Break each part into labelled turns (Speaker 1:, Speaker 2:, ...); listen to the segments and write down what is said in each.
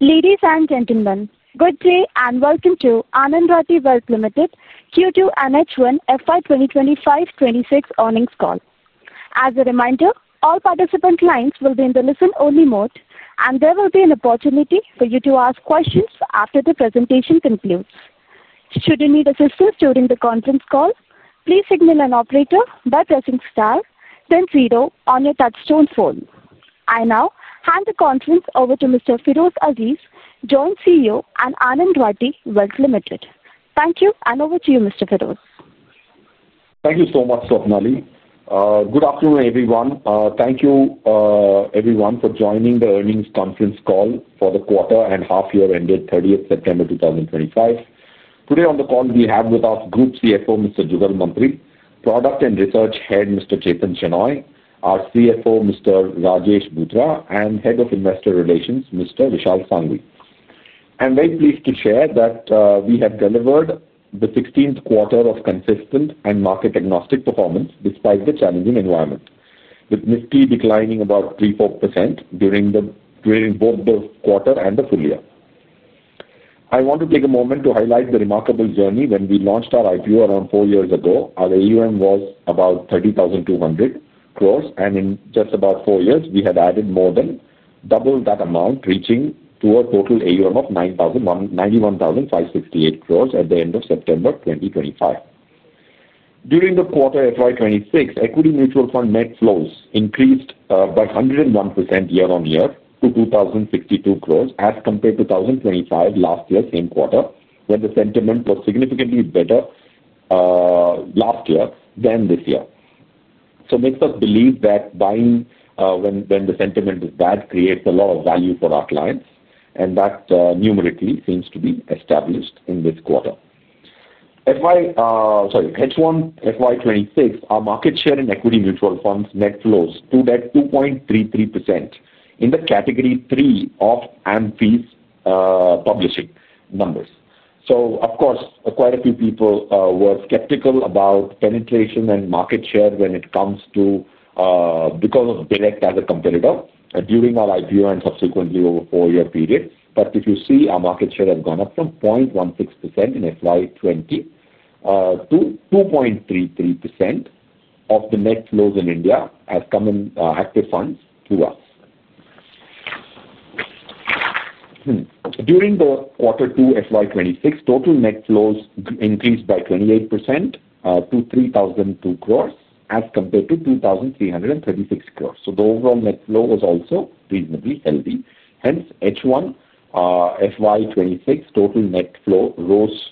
Speaker 1: Ladies and Gentlemen, good day and welcome to Anand Rathi Wealth Ltd. Q2 and H1 FY2025-26 earnings call. As a reminder, all participant lines will be in the listen-only mode and there will be an opportunity for you to ask questions after the presentation concludes. Should you need assistance during the conference call, please signal an operator by pressing star then zero on your touch-tone phone. I now hand the conference over to Mr. Feroze Azeez, Joint CEO of Anand Rathi Wealth Ltd. Thank you, and over to you Mr. Feroze.
Speaker 2: Thank you so much Sopnali. Good afternoon everyone. Thank you everyone for joining the earnings conference call for the quarter and half year ended 30th September 2025. Today on the call we have with us Group CFO Mr. Jugal Mantri, Product and Research Head Mr. Chethan Shenoy, our CFO Mr. Rajesh Bhutara, and Head of Investor Relations Mr. Vishal Sanghavi. I'm very pleased to share that we have delivered the 16th quarter of consistent and market agnostic performance despite the challenging environment with Nifty declining about 3.4% during both the quarter and the full year. I want to take a moment to highlight the remarkable journey. When we launched our IPO around four years ago our AUM was about 30,200 crore and in just about four years we had added more than double that amount reaching to a total AUM of 91,901.568 crore at the end of September 2025. During the quarter FY26 equity mutual fund net flows increased by 101% year on year to 2,062 crore as compared to 2025 last year same quarter when the sentiment was significantly better last year than this year. This makes us believe that buying when the sentiment is bad creates a lot of value for our clients and that numerically seems to be established in this quarter. In H1FY26 our market share in equity mutual funds net flows stood at 2.33% in the category three of Amfi's publishing numbers. Quite a few people were skeptical about penetration and market share when it comes to because of Direct as a competitor during our IPO and subsequently over four year period. If you see our market share has gone up from 0.16% in FY20 to 2.33% of the net flows in India have come in active funds to us. During the quarter 2 FY26 total net flows increased by 28% to 3,002 crore as compared to 2,336 crore, so the overall net flow was also reasonably healthy. Hence H1FY26 total net flow rose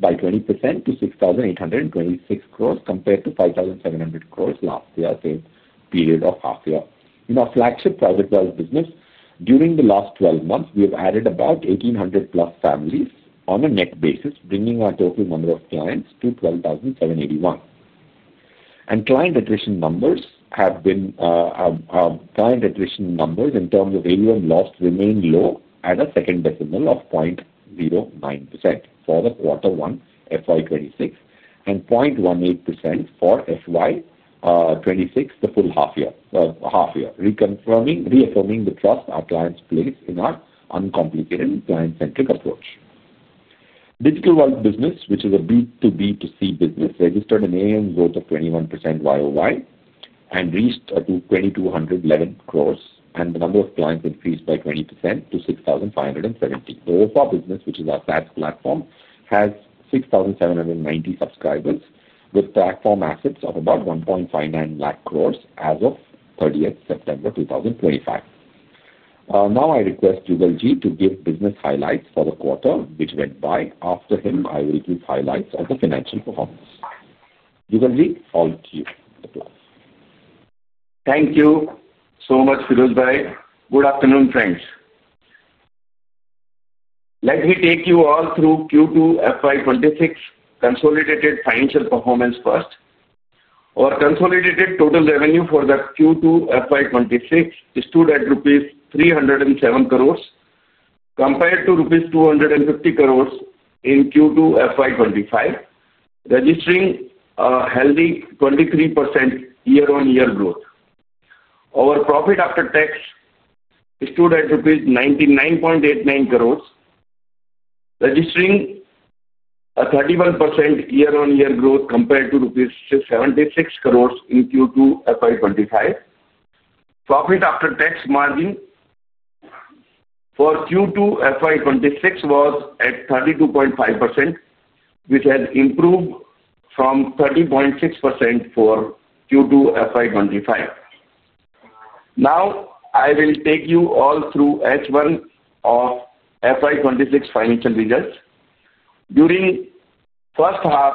Speaker 2: by 20% to 6,826 crore compared to 5,700 crore last year period of half year. In our flagship private wealth business during the last 12 months we have added about 1,800 plus families on a net basis bringing our total number of clients to 12,781 and client attrition numbers have been. Client attrition numbers in terms of AUM lost remain low at a second decimal of 0.09% for the quarter one FY26 and 0.18% for FY26 the full half year, reaffirming the trust our clients place in our uncomplicated client centric approach. Digital Wealth business, which is a B2B2C business, registered an AUM growth of 21% YoY and reached 2,211 crore, and the number of clients increased by 20% to 6,570. The OFA business, which is our SaaS platform, has 6,790 subscribers with platform assets of about 1.59 lakh crore as of September 30, 2025. Now I request Jugalji to give business highlights for the quarter which went by. After him, I will give highlights of the financial performance. Jugalji, all to you. Applause. Thank you so much, Feroze Bhai. Good afternoon, friends. Let me take you all through Q2FY26 consolidated financial performance. First, our consolidated total revenue for Q2FY26 stood at rupees 307 crore compared to rupees 250 crore in Q2FY25, registering a healthy 23% YoY growth. Our profit after tax stood at 99.89 crore, registering a 31% YoY growth compared to INR 76 crore in Q2FY25. Profit after tax margin for Q2FY26 was at 32.5%, which has improved from 30.6% for Q2FY25. Now I will take you all through H1 of FY26 financial results. During the first half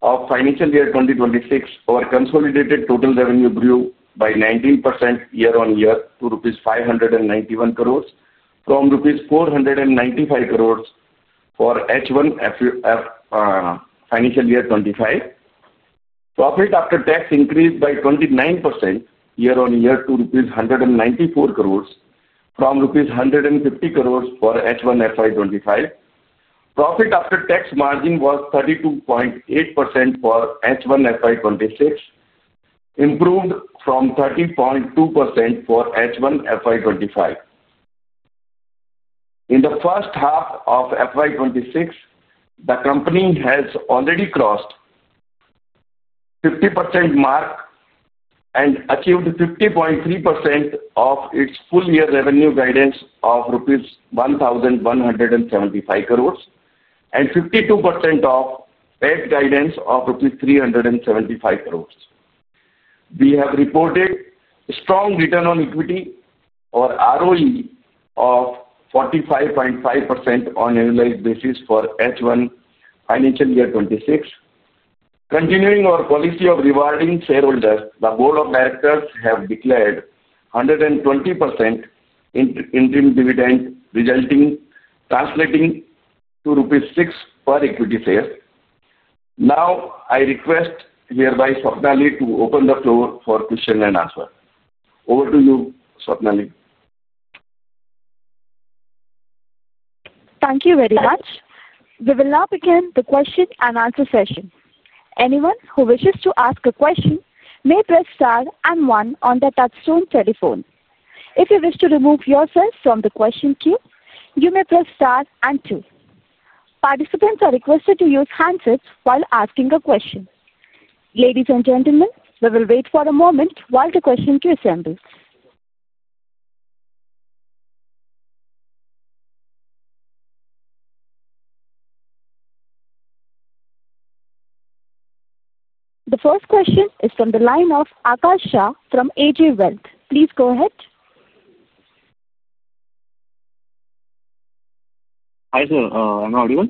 Speaker 2: of financial year 2026, our consolidated total revenue grew by 19% YoY to rupees 591 crore from rupees 495 crore for H1FY25. Profit after tax increased by 29% YoY to rupees 194 crore from rupees 150 crore for H1FY25. Profit after tax margin was 32.8% for H1FY26, improved from 30.2% for H1FY25. In the first half of FY26, the company has already crossed the 50% mark and achieved 50.3% of its full year revenue guidance of rupees 1,175 crore and 52% of PAT guidance of rupees 375 crore. We have reported strong return on equity, or ROE, of 45.5% on an annualized basis for H1 financial year 2026. Continuing our policy of rewarding shareholders, the Board of Directors have declared 120% interim dividend, translating to rupees 6 per equity share. Now I request hereby Swapnali to open the floor for question and answer. Over to you, Swapnali.
Speaker 1: Thank you very much. We will now begin the question and answer session. Anyone who wishes to ask a question may press star and one on the Touchstone telephone. If you wish to remove yourself from the question queue, you may press star and 2. Participants are requested to use handsets while asking a question. Ladies and gentlemen, we will wait for a moment while the question queue assembles. The first question is from the line of Akash Shah from AJ Wealth. Please go ahead.
Speaker 2: Hi sir. Am I audible?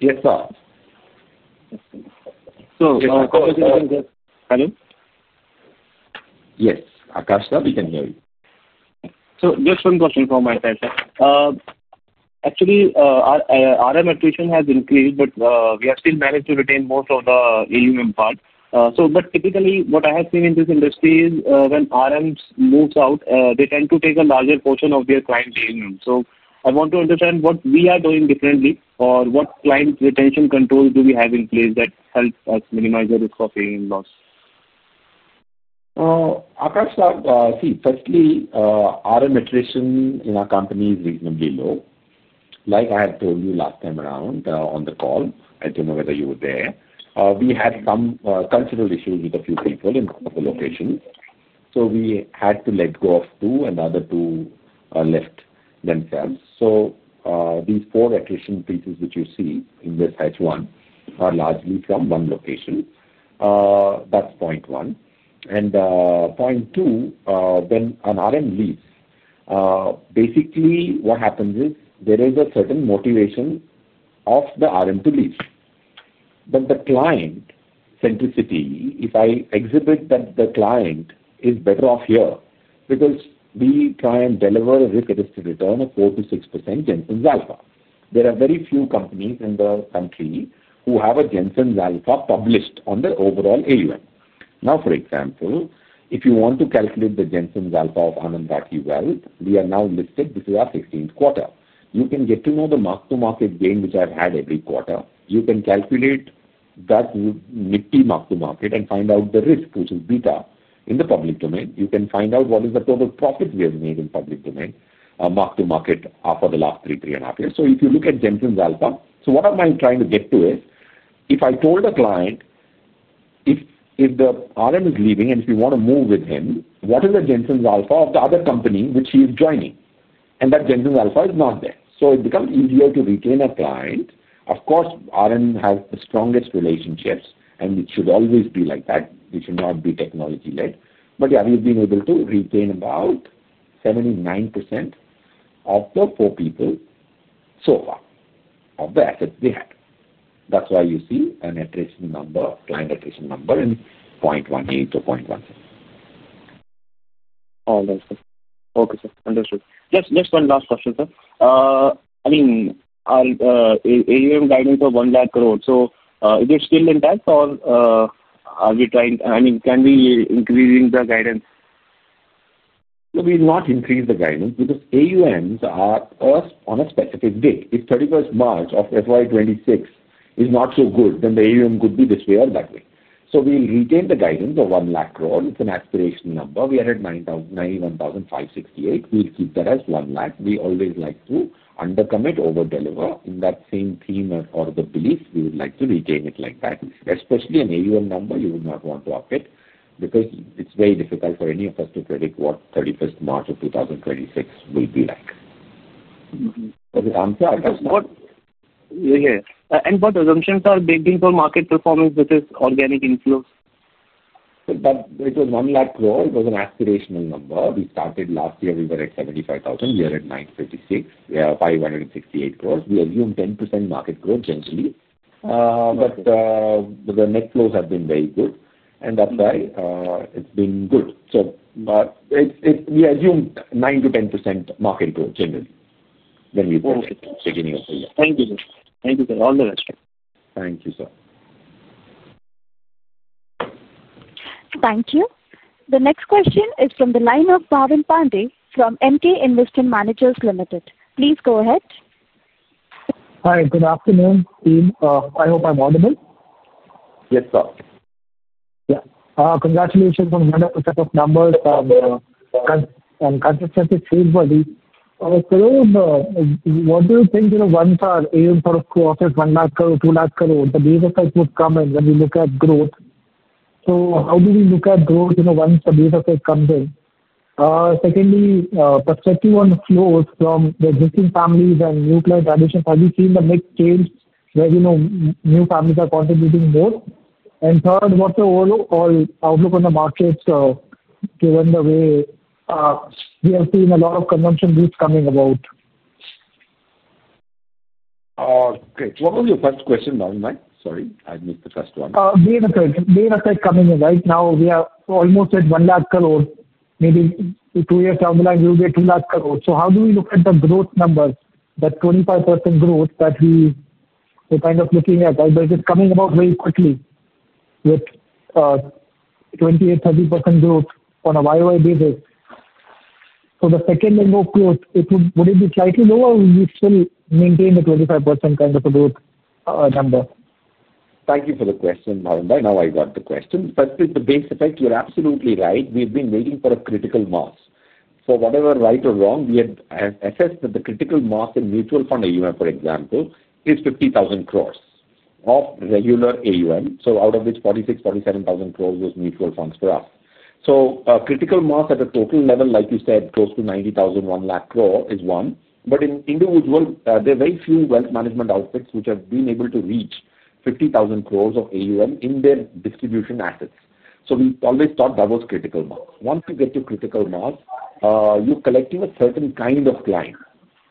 Speaker 2: Yes sir. Hello. Yes Akash sir, we can hear you. Just one question from my side sir. Actually our RM attrition has increased but we have still managed to retain most of the AUM part. Typically what I have seen in this industry is when RM moves out they tend to take a larger portion of their client AUM. I want to understand what we are doing differently or what client retention controls do we have in place that help us minimize the risk of AUM loss. Akash, see firstly RM attrition in our company is reasonably low. Like I had told you last time around on the call, I don't know whether you were there. We had some cultural issues with a few people in the location so we had to let go of two and other two left themselves. These four additional features that you see in this H1 are largely from one location. That's point one and point two. When an RM leaves basically what happens is there is a certain motivation of the RM to leave but the client centricity. If I exhibit that the client is better off here because we try and deliver a risk return of 4% to 6% in the. There are very few companies in the country who have a Jensen's alpha published on the overall AUM. For example, if you want to calculate the Jensen's alpha of Anand Rathi Wealth Ltd., we are now listed. This is our 16th quarter. You can get to know the mark to market gain which I've had every quarter. You can calculate that Nifty mark to market and find out the risk which is beta in the public domain. You can find out what is the total profit we have made in public domain mark to market for the last 3, 3.5 years. If you look at Jensen's alpha. What I am trying to get to is if I told a client if the RM is leaving and if you want to move with him, what is the Jensen's alpha of the other company which he is joining and that Jensen's alpha is not there so it becomes easier to retain a client. Of course RM has the strongest relationships and it should always be like that. It should not be technology led. We've been able to retain about 79% of the four people so far of the assets they had. That's why you see an attrition number, client attrition number in 0.18 or 0.17. Okay sir, understood. Just one last question sir. I mean guidance of 1 lakh crore. Is it still intact or are we trying? I mean can we increase the guidance? We will not increase the guidance because AUMs are on a specific date. If 31st March of FY26 is not so good, then the AUM could be this way or that way. We retain the guidance of 1 lakh crore. It's an aspirational number. We are at 91,568 crore. We'll keep that as 1 lakh crore. We always like to under commit, over deliver in that same theme or the belief, would like to retain it like that. Especially an AUM number, you would not want to update because it's very difficult for any of us to predict what 31 March of 2026 will be like and what assumptions are baked into market performance, which is organic inflows. It was 1 lakh crore. It was an aspirational number. We started last year, we were at 75,000 crore. We are at 956 crore. We assume 10% market growth generally. The net flows have been very good and that's why it's been good. We assume 9 to 10% market growth generally. Thank you. Thank you for all the rest. Thank you sir.
Speaker 1: Thank you. The next question is from the line of Pawan Pandey from MT Investment Managers Ltd. Please go ahead.
Speaker 2: Hi, good afternoon team. I hope I'm audible. Yes sir. Yeah. Congratulations on set of numbers and consistency. What do you think? You know once our AUM sort of crosses INR 1 lakh crore, 2 lakh crore the visa site would come in. When we look at growth. How do we look at those, you know once a visa comes in. Secondly, perspective on flows from the existing families and utilized additions. Have you seen the mix change where you know new families are contributing more. Third, what's the overall outlook on the market? Given the way we have seen a lot of consumption routes coming about. Great. What was your first question? Sorry, I missed the first one coming in. Right now we are almost at 1 lakh crore. Maybe two years down the line we'll be at 2 lakh crore. How do we look at the growth numbers? That 25% growth that we're kind of looking at but it is coming about very quickly with 28%, 30% growth on a YoY basis for the second number of growth it would it be slightly lower. We still maintain the 25% kind of a growth number. Thank you for the question. Now I got the question first with the base effect. You're absolutely right. We've been waiting for a critical mass for whatever right or wrong. We have assessed that the critical mass in mutual fund AUM for example is 50,000 crore of regular AUM. Out of which 46,000, 47,000 crore was mutual funds for us. Critical mass at a total level like you said, close to 90,000. 1 lakh crore is one. In individual there are very few wealth management outfits which have been able to reach 50,000 crore of AUM in their distribution assets. We always thought that was critical mass. Once you get to critical mass you are collecting a certain kind of client.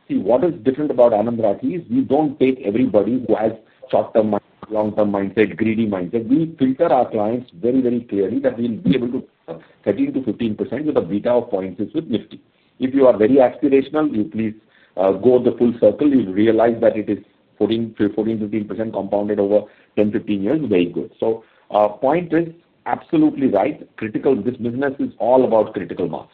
Speaker 2: See what is different about Anand Rathi is we don't take everybody who has short term, long term mindset, greedy mindset. We filter our clients very very clearly that we'll be able to 13% to 15% with a beta of points with Nifty. If you are very aspirational, you please go the full circle. You realize that it is 14%, 15% compounded over 10, 15 years. Very good. Point is absolutely right. This business is all about critical mass.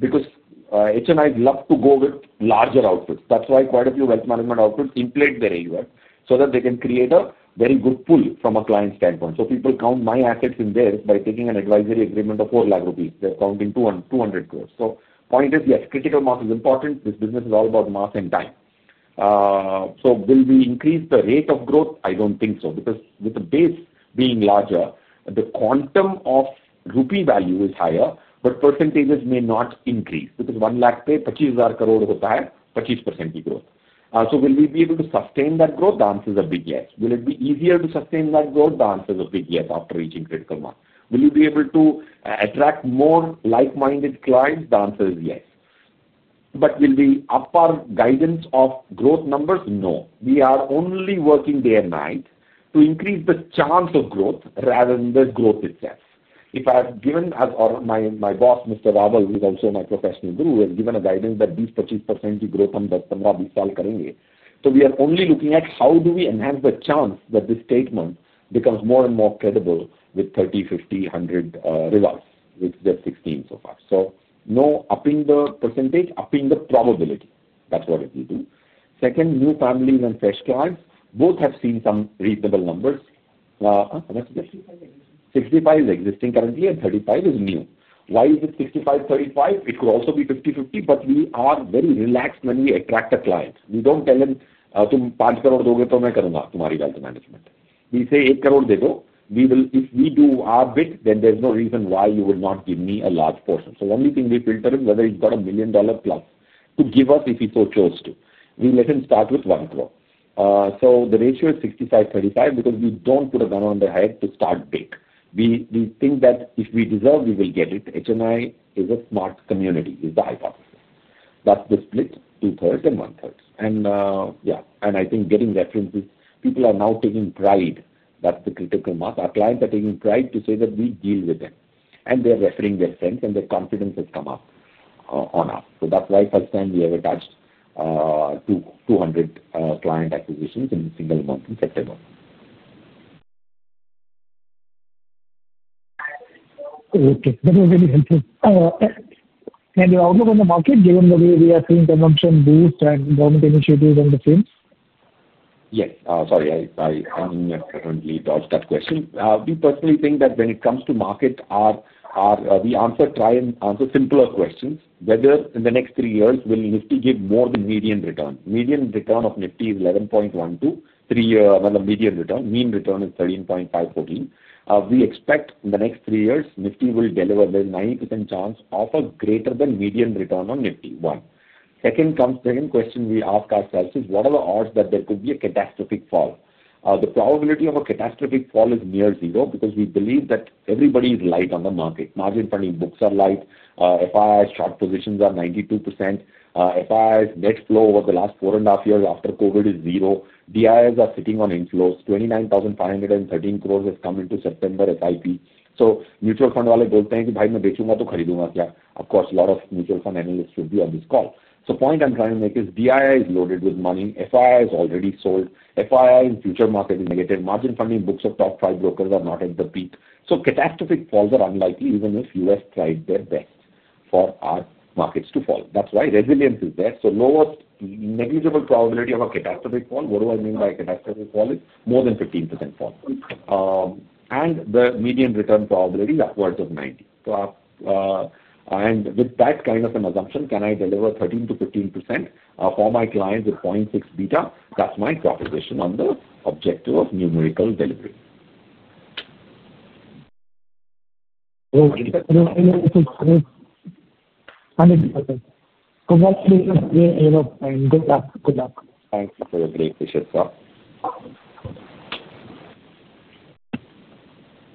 Speaker 2: Because HNIs love to go with larger outfits. That's why quite a few wealth management outfits inflate their AUM so that they can create a very good pull from a client standpoint. People count my assets in there. By taking an advisory agreement of 4 lakh rupees, they're counting 200 crore. Point is yes, critical mass is important. This business is all about mass and dime. Will we increase the rate of growth? I don't think so, because with the base being larger, the quantum of rupee value is higher. Percentages may not increase because 1 lakh % growth. Will we be able to sustain that growth? The answer is a big yes. Will it be easier to sustain that growth? The answer is a big yes. After reaching critical mass, will you be able to attract more like-minded clients? The answer is yes. Will we up our guidance of growth numbers? No. We are only working day and night to increase the chance of growth rather than the growth itself. If I have given or my boss Mr. Rawal, who is also my professional guru, has given a guidance that these purchase % growth. We are only looking at how do we enhance the chance that this statement becomes more and more credible with 30, 50, 100 results, which they've 16 so far. No upping the %, upping the probability. That's what it will do. Second, new families and fresh clients both have seen some reasonable numbers. 65 is existing currently and 35 is new. Why is it 65, 35? It could also be 50, 50. We are very relaxed when we attract the clients. We don't tell him. We say if we do our bit then there's no reason why you would not give me a large portion. Only thing we filter is whether he's got a $1 million plus to give us, if he so chose to. We let him start with 1 crore. The ratio is 65, 35 because we don't put a gun on the head to start big. We think that if we deserve, we will get it. HNI is a smart contract community is the hypothesis. That's the split, 2/3 and 1/3, and I think getting references. People are now taking pride. That's the critical mark. Our clients are taking pride to say that we deal with them and they're referring their friends and their confidence has come up on us. That's why first time we have attached 200 client acquisitions in a single month in September. Okay, that was very helpful. Your outlook on the market given the way we are seeing consumption boost and government initiatives on the frames. Yes. Sorry, I dodged that question. We personally think that when it comes to market we try and answer simpler questions. Whether in the next three years will Nifty give more than median return? Median return of Nifty is 11.12% three-year median return. Mean return is 13.5% to 14%. We expect in the next three years Nifty will deliver 90% chance of a greater than median return on Nifty. One second question we ask ourselves is what are the odds that there could be a catastrophic fall? The probability of a catastrophic fall is near zero. We believe that everybody is light on the market. Margin funding books are light. FII short positions are 92%. FII's net flow over the last four and a half years after Covid is zero. DIIs are sitting on inflows. 29,513 crore has come into September SIP. Mutual fund. Of course, a lot of mutual fund analysts should be on this call. The point I'm trying to make is DII is loaded with money. FII has already sold. FII in future market is negative. Margin funding books of top five brokers are not at the peak. Catastrophic falls are unlikely even if U.S. tried their best for our markets to fall. That's why resilience is there. Lowest negligible probability of a catastrophic fall. What I mean by a catastrophic fall is more than 15% fall and the median return probability is upwards of 90%. With that kind of an assumption, can I deliver 13% to 15% for my clients with 0.6 beta? That's my proposition on the objective of numerator delivery.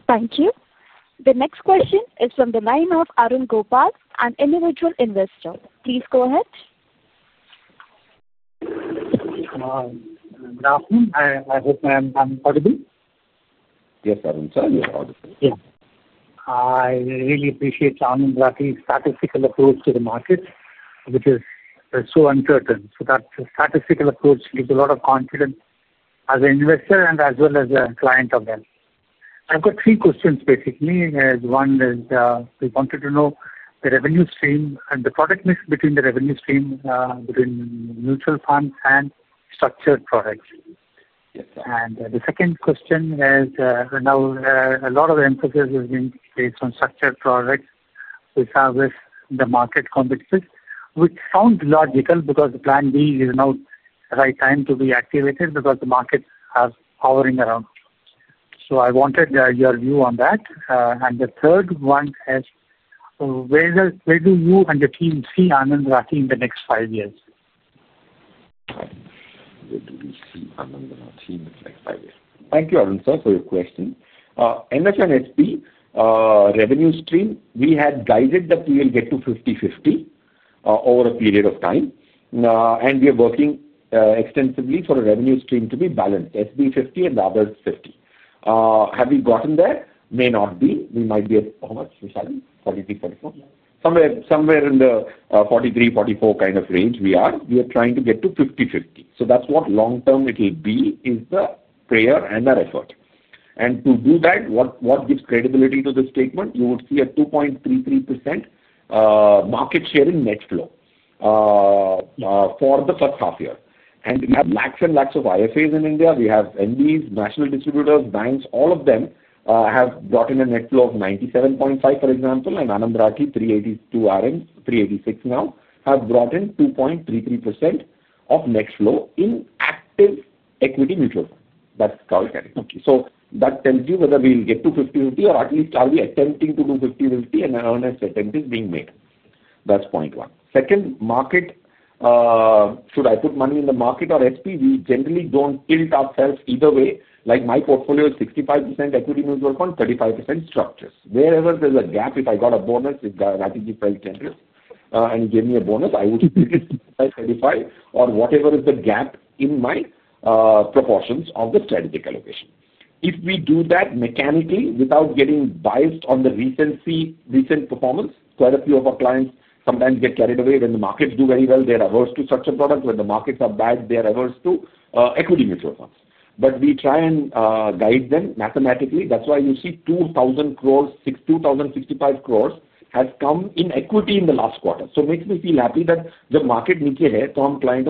Speaker 1: Thank you. The next question is from the line of Arun Gopal, an individual investor. Please go ahead.
Speaker 2: Good afternoon. I hope I am audible. Yes, I really appreciate Anand Rathi's statistical approach to the market, which is so uncertain. That statistical approach gives a lot of confidence as an investor and as well as a client of them. I've got three questions. Basically, one is I wanted to know the revenue stream and the product mix between the revenue stream between mutual funds and structured products. The second question is now a lot of emphasis is being based on structured products, which are market competitive. Which sounds logical because plan B is now the right time to be activated because the market is powering around. I wanted your view on that. The third one is where do you and the team see Anand Rathi in the next five years? Thank you, Arun sir, for your question. NFNSP revenue stream, we had guided that we will get to 50:50 over a period of time. We are working extensively for a revenue stream to be balanced. SB 50 and the other 50, have we gotten there? There may not be. We might be at, how much, Vishal, 43, 44, somewhere in the 43-44 kind of range we are. We are trying to get to 50:50. That's what long term it will be, is the prayer and our effort, and to do that, what gives credibility to the statement, you would see a 2.33% market share in net flow for the first half year. We have lakhs and lakhs of IFAs in India. We have MBS, national distributors, banks, all of them have brought in a net flow of 97.5, for example, and Anand Rathi, 382 RM, 386 now, have brought in 2.33% of net flow in active equity mutual fund. That's how it gets. That tells you whether we will get to 50:50 or at least are we attempting to do 50, and an earnest attempt is being made. That's point one. Second, market, should I put money in the market or SP, we generally don't tilt ourselves either way. Like my portfolio is 65% equity mutual fund, 35% structured products. Wherever there's a gap, if I got a bonus, if the RTG fell 10 and gave me a bonus, I would, or whatever is the gap in my proportions of the strategic allocation. If we do that mechanically, without getting biased on the recent performance, quite a few of our clients sometimes get carried away. When the markets do very well, they are averse to such a product. When the markets are bad, they are averse to equity mutual funds, but we try and guide them mathematically. That's why you see 2,065 crore has come in equity in the last quarter. It makes me feel happy that the market, Nikki, here compiled.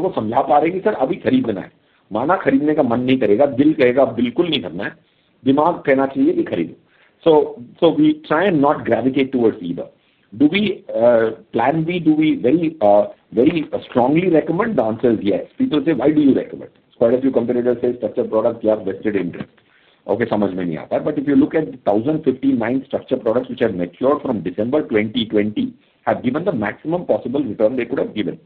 Speaker 2: We try and not gravitate towards either. Do we plan B? Do we very strongly recommend? The answer is yes. People say why do you recommend? Quite a few competitors say structured products, vested interest, okay. If you look at 1,059 structured products which have matured from December 2020, they have given maximum possible return they could have given.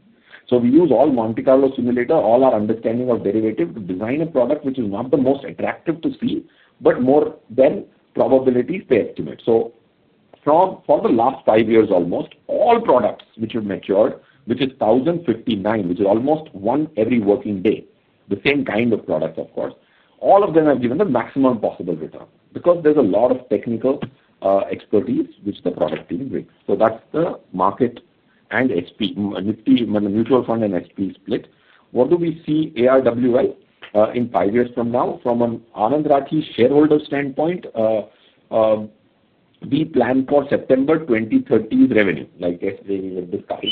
Speaker 2: We use all Monte Carlo simulator, all our understanding of derivatives to design a product which is not the most attractive to see but more than probabilities they estimate. For the last five years, almost all products which have matured, which is 1,059, which is almost one every working day, the same kind of products. Of course, all of them have given the maximum possible return because there's a lot of technical expertise which the product team brings. That's the market and S&P Nifty mutual fund and split. What do we see, Arwi, in five years from now? From Anand Rathi shareholder standpoint, we plan for September 2030 revenue like yesterday,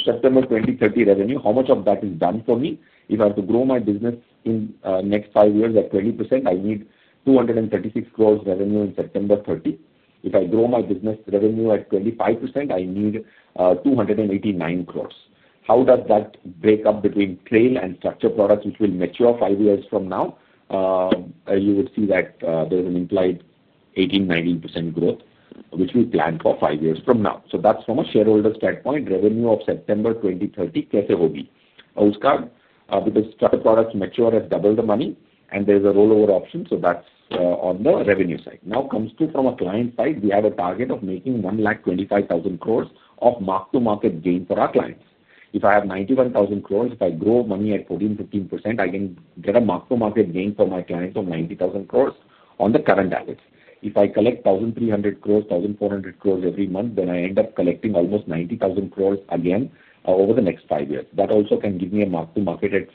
Speaker 2: September 2030 revenue. How much of that is done for me? If I have to grow my business in next five years at 20%, I need 236 crores revenue in September 30, 2030. If I grow my business revenue at 25%, I need 289 crores. How does that break up between trail and structured products which will mature five years from now? You would see that there's an implied 18-19% growth which we plan for five years from now. That's from a shareholder standpoint. Revenue of September 2030, Oostgaard, because charter products mature at double the money and there is a rollover option. That's on the revenue side. Now comes to from a client side, we have a target of making 125,000 crores of mark to market gain for our clients. If I have 91,000 crores, if I grow money at 14-15%, I can get a mark to market gain for my clients of 90,000 crores on the current average. If I collect 1,300 crores, 400 crores every month, then and I end up collecting almost 90,000 crores again over the next five years, that also can give me a mark to market at 14-15%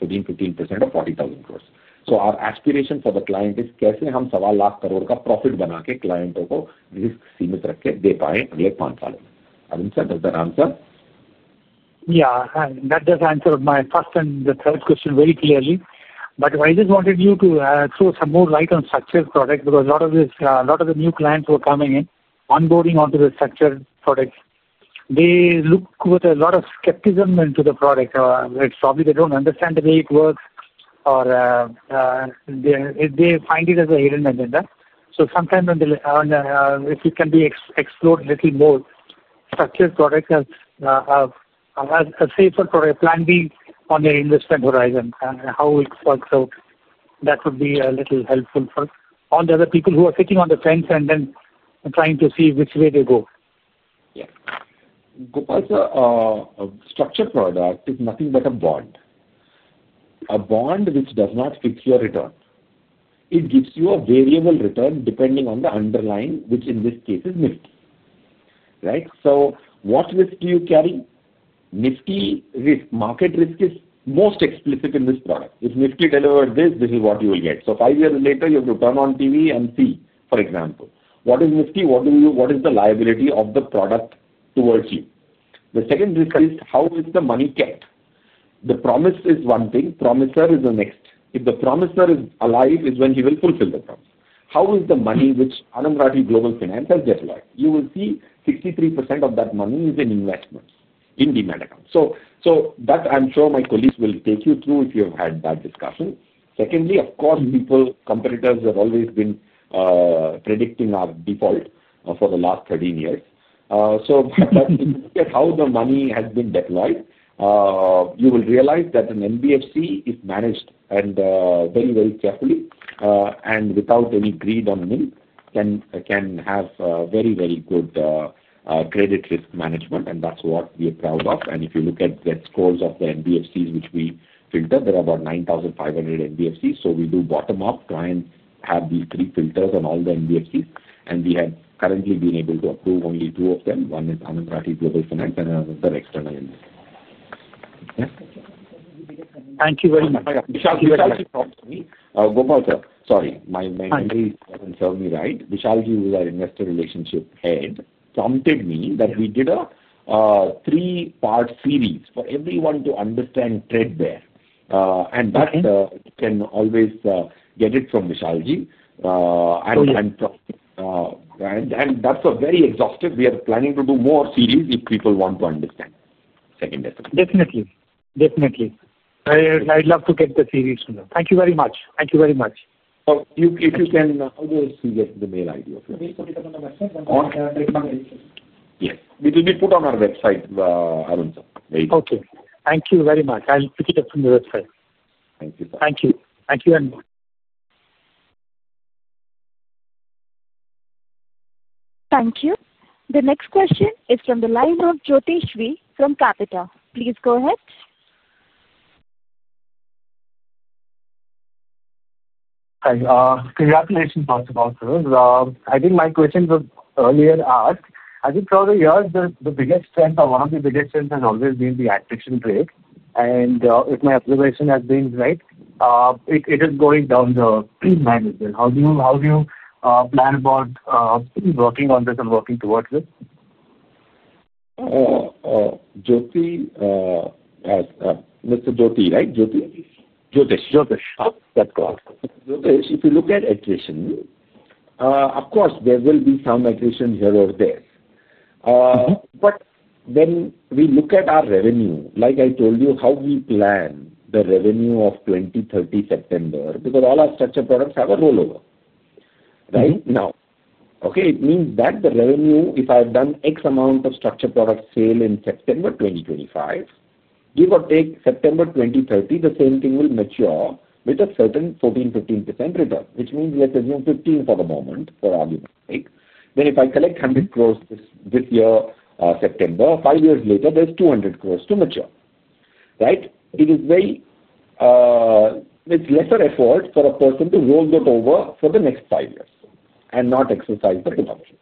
Speaker 2: or INR 40,000 crores. Our aspiration for the client is that answer. Yeah, that does answer my first and the third question very clearly. I just wanted you to throw some more light on structured products because a lot of the new clients who are coming in onboarding onto the structured products, they look with a lot of skepticism into the product. It's probably they don't understand the way it works or they find it as a hidden agenda. Sometimes if it can be explored a little more, structured product plan B on the investment horizon, that would be a little helpful for the other people who are sitting on the fence and then trying to see which way they go. Yeah, Gopal, a structured product is nothing but a bond. A bond which does not fix your return. It gives you a variable return depending on the underlying, which in this case is Nifty. Right. What risk do you carry? Nifty market risk is most explicit in this product. If Nifty delivered this, this is what you will get. Five years later you have to turn on TV and see, for example, what is Nifty. What is the liability of the product towards you? The second risk is how is the money kept. The promise is one thing, promiser is the next. If the promiser is alive is when he will fulfill the promise. How is the money which Anand Rathi Global Finance gets live. You will see 63% of that money is in investments in demat accounts. I'm sure my colleagues will take you through if you have had that discussion. Of course, competitors have always been predicting our default for the last 13 years. How the money has been deployed, you will realize that an NBFC is managed very, very carefully and without any greed on NIM, can have very, very good credit risk management. That's what we are proud of. If you look at the scores of the NBFCs which we filter, there are about 9,500 NBFCs. We do bottom up, try and have these three filters on all the NBFCs. We have currently been able to approve only two of them. One is Anand Rathi Global Finance and another external. Thank you very much. Sorry. My Investor Relations Head prompted me that we did a three-part series for everyone to understand threadbare and that can always get it from Vishalji. That's very exhaustive. We are planning to do more series if you people want to understand. Definitely, definitely. I'd love to get the series. Thank you very much. Thank you very much. If you can get the mail ID of you. Yes, it will be put on our website. Okay. Thank you very much. I'll pick it up from the website. Thank you. Thank you. Thank you.
Speaker 1: Thank you. The next question is from the line of Jyotish V from Capita. Please go ahead.
Speaker 2: Hi. Congratulations, Master Baut. I think my question was earlier asked. I think for the years the biggest strength or one of the biggest strengths has always been the attrition rate. If my observation has been right, it is going down. How do you plan about working on this and working towards it? Jyoti. Mr. Jyoti. Right. If you look at attrition, of course there will be some attrition here or there. When we look at our revenue, like I told you how we plan the revenue of 2030 September because all our structured products have a rollover right now. It means that the revenue, if I have done X amount of structured product sale in September 2025, give or take September 2030, the same thing will mature with a certain 14, 15% return. Which means, let's assume 15% for the moment for argument's sake. If I collect 100 crore this year, September five years later there's 200 crore to mature, right? It is very, it's lesser effort for a person to roll that over for the next five years and not exercise the production.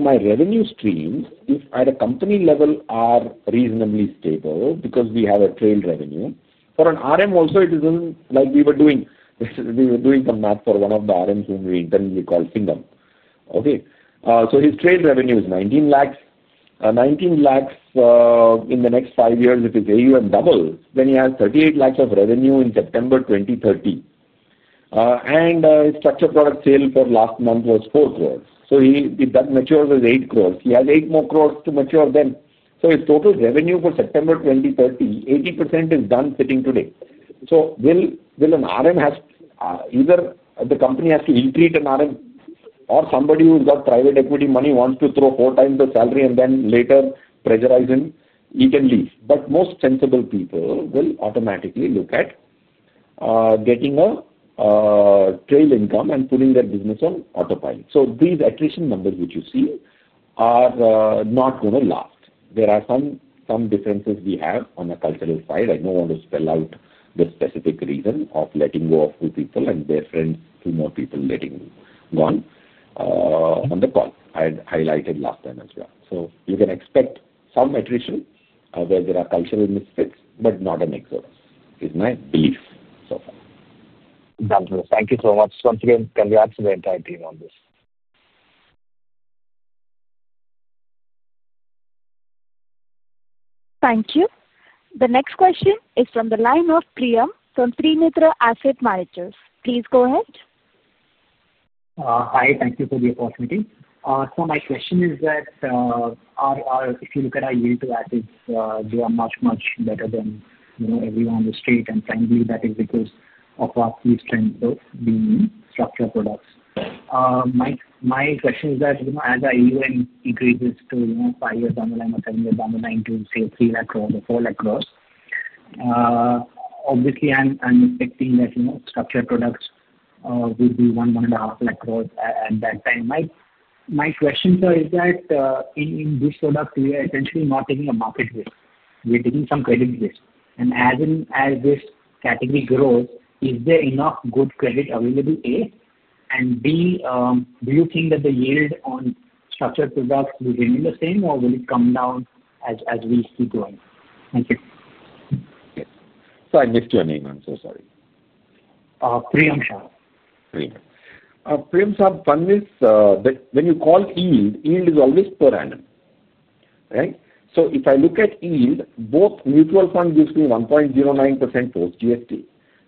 Speaker 2: My revenue streams at a company level are reasonably stable because we have a trail revenue. For an RM also, it is like we were doing the math for one of the RMs whom we internally called Singham. His trail revenue is 19 lakh. 19 lakh in the next five years. If his AUM doubles, then he has 38 lakh of revenue in September 2030. His structured product sale for last month was 4 crore. That matures as 8 crore. He has 8 crore more to mature then. His total revenue for September 2030, 80% is done sitting today. Will an RM, either the company has to increase an RM or somebody who's got private equity money wants to throw four times the salary and then later pressurize him, he can leave. Most sensible people will automatically look at getting a trail income and putting their business on autopilot. These attrition numbers which you see are not going to last. There are some differences we have on the cultural side. I don't want to spell out the specific reason of letting go of two people and their friends, two more people letting go. On the call I had highlighted last time as well. You can expect some attrition where there are cultural misfits but not an exodus is my belief so far. Thank you so much. Once again, congrats to the entire team on this.
Speaker 1: Thank you. The next question is from the line of Priyam from Premitra Asset Managers. Please go ahead.
Speaker 2: Hi. Thank you for the opportunity. My question is that if you look at our yield to assets, they are much, much better than everyone in the street. Frankly, that is because of our key strength of structured products. My question is that as AUM increases to 5 years down the line or 7 years down the line to say 3 lakh crore or 4 lakh crore, obviously I'm expecting that structured products would be 1 lakh crore to 1.5 lakh crore at that time. My question, sir, is that in this product we are essentially not taking a market risk, we're taking some credit risk. As this category grows, is there enough good credit available? A and B, do you think that the yield on structured products will remain the same or will it come down as we see growing? Thank you. I missed your name. I'm so sorry. Priyam Shah. Priyam. Priyam Sahib Fund is. When you call yield, yield is always per annum, right? If I look at yield, both mutual fund gives me 1.09%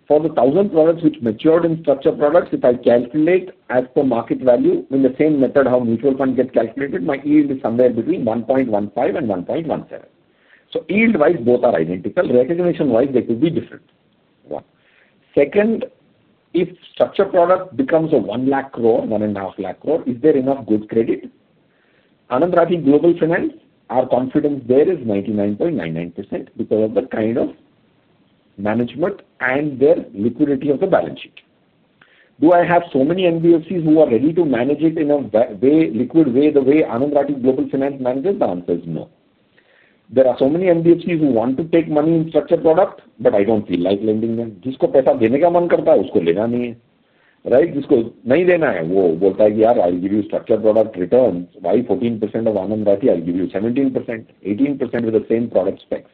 Speaker 2: for the thousand products which matured in structured products. If I calculate as per market value in the same method how mutual fund gets calculated, my yield is somewhere between 1.15% and 1.17%. Yield-wise, both are identical. Recognition-wise, they could be different. Second, if structured product becomes 1 lakh crore, 1.5 lakh crore, is there enough good credit? Anand Rathi, I think global finance, our confidence there is 99.99% because of the kind of management and their liquidity of the balance sheet. Do I have so many NBFCs who are ready to manage it in a liquid way the way Anand Rathi Global Finance manages? The answer is no. There are so many NBFCs who want to take money in structured product, but I don't feel like lending them. I'll give you structured product return. Why? 14% of Anand Rathi. I'll give you 17%, 18% with the same product specs.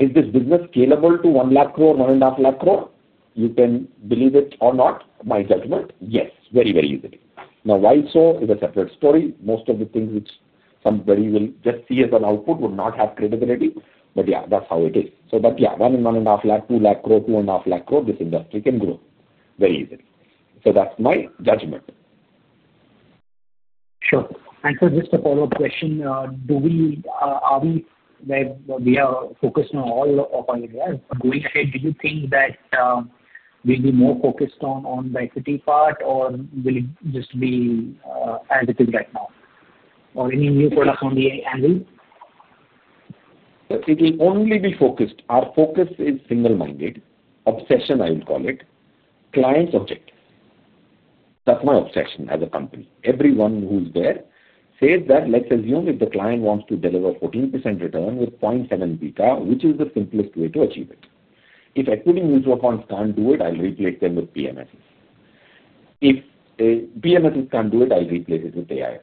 Speaker 2: Is this business scalable to 1 lakh crore, 1.5 lakh crore? You can believe it or not. My judgment, yes, very, very easily. Now, why so is a separate story. Most of the things which somebody will just see as an output would not have credibility, but that's how it is. 1 lakh crore, 1.5 lakh crore, 2 lakh crore, 2.5 lakh crore, this industry can grow very easily. That's my judgment. Sure. Just a follow-up question. Are we focused on all of our areas going ahead? Do you think that we'll be more focused on the equity part, or will it just be as it is right now, or any new products on the angle it will only. Our focus is single-minded obsession. I will call it client's objectives. That's my obsession as a company. Everyone who's there says that. Let's assume if the client wants to deliver 14% return with 0.7 beta, which is the simplest way to achieve it. If equity mutual funds can't do it, I'll replace them with PMSS. If PMSS can't do it, I'll replace it with AI.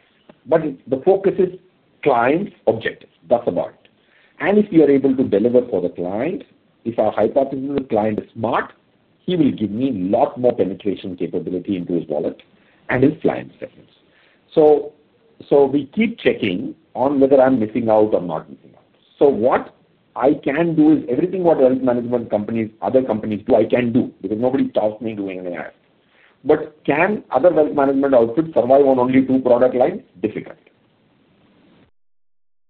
Speaker 2: The focus is client's objectives. That's about it. If you are able to deliver for the client, if our hypothesis is client is smart, he will give me a lot more penetration capability into his wallet and his fly in seconds. We keep checking on whether I'm missing out or not missing out. What I can do is everything what wealth management companies, other companies do, I can do because nobody stops me doing any. I can, other wealth management outputs survive on only two product lines. Difficult,